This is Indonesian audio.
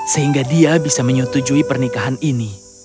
sehingga dia bisa menyetujui pernikahan ini